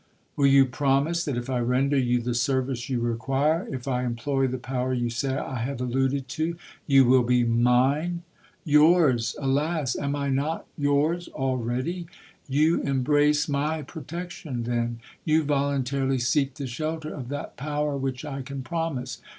'—'Will you promise, that if I render you the service you require, if I employ the power you say I have alluded to, you will be mine?'—'Yours!—Alas! am I not yours already?'—'You embrace my protection, then? You voluntarily seek the shelter of that power which I can promise?